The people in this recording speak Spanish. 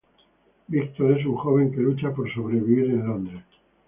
Víctor es un joven que lucha por sobrevivir en Londres.